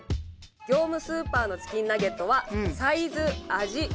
業務スーパーのチキンナゲットはサイズ味